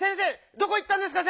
どこいったんですか？